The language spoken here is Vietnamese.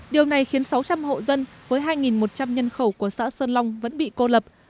điều này khiến sáu trăm linh hộ dân với hai một trăm linh nhân khẩu của xã sơn long vẫn bị cô lập